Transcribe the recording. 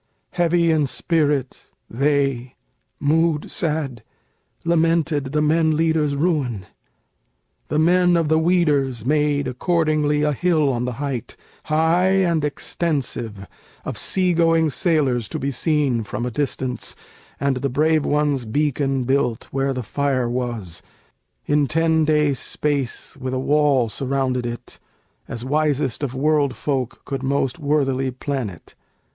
Heavy in spirit They mood sad lamented the men leader's ruin.... The men of the Weders made accordingly A hill on the height, high and extensive, Of sea going sailors to be seen from a distance, And the brave one's beacon built where the fire was, In ten days' space, with a wall surrounded it, As wisest of world folk could most worthily plan it.